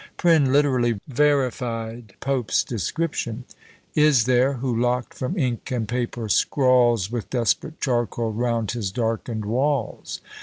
Prynne literally verified Pope's description: Is there, who locked from ink and paper, scrawls With desperate charcoal round his darkened walls.